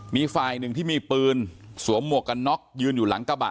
มีฝ่ายหนึ่งที่มีปืนสวมหมวกกันน็อกยืนอยู่หลังกระบะ